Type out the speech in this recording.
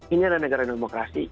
ini adalah negara demokrasi